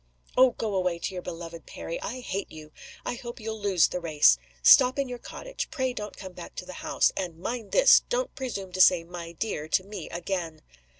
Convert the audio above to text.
"Oh! go away to your beloved Perry! I hate you. I hope you'll lose the race. Stop in your cottage. Pray don't come back to the house. And mind this! don't presume to say 'my dear' to me again."